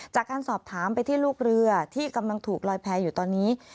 จากการสอบถามไปที่ลูกเรือที่กำลังถูกลอยแพ้อยู่ตอนนี้